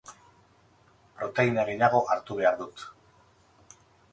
Proteina gehiago hartu behar dut.